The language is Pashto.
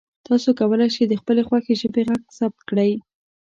تاسو کولی شئ د خپلې خوښې ژبې غږ ثبت کړئ.